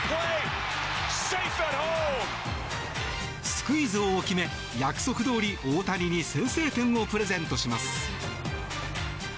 スクイズを決め約束どおり大谷に先制点をプレゼントします。